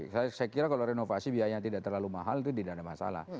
saya kira kalau renovasi biayanya tidak terlalu mahal itu tidak ada masalah